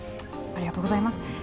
ありがとうございます。